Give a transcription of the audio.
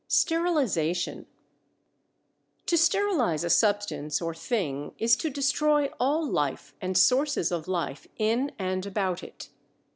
STERILIZATION. To sterilize a substance or thing is to destroy all life and sources of life in and about it.